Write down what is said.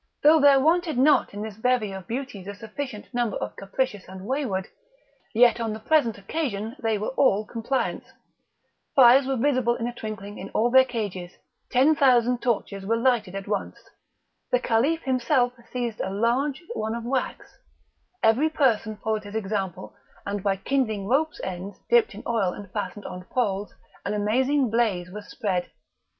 Though there wanted not in this bevy of beauties a sufficient number of capricious and wayward, yet on the present occasion they were all compliance; fires were visible in a twinkling in all their cages; ten thousand torches were lighted at once; the Caliph himself seized a large one of wax; every person followed his example, and, by kindling ropes' ends dipped in oil and fastened on poles, an amazing blaze was spread.